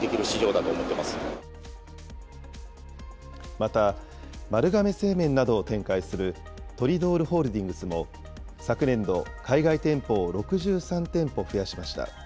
また、丸亀製麺などを展開するトリドールホールディングスも、昨年度、海外店舗を６３店舗増やしました。